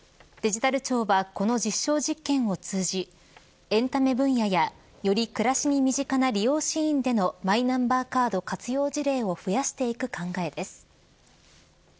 デジタル庁はこの実証実験を通じエンタメ分野やより暮らしに身近な利用シーンでのマイナンバーカード活用事例を増やしていく考えです。